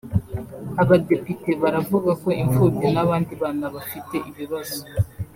Abadepite baravuga ko impfubyi n’abandi bana bafite ibibazo